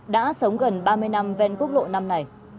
đã sống gần ba mươi năm ven quốc lộ năm này